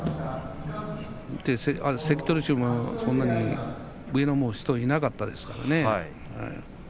関取衆も上の人がそんなにいなかったですからね。